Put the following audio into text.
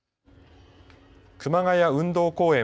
熊谷運動公園